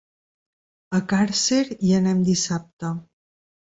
A Càrcer hi anem dissabte.